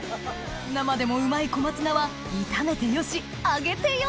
生でもうまい小松菜は炒めてよし揚げてよし！